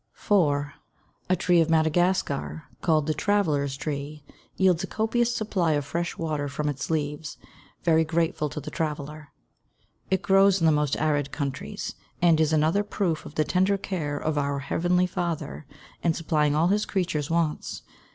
4. A tree of Madagascar, called the "traveler's tree," yields a copious supply of fresh water from its leaves, very grateful to the traveler. It grows in the most arid countries, and is another proof of the tender care of our Heavenly Father in supplying all His creatures' wants.